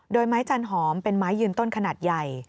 โดยไม้จันหอมเป็นไม้ยืนต้นขนาดใหญ่